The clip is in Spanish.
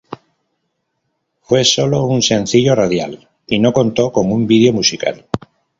Fue solo un sencillo radial y no contó con un vídeo musical.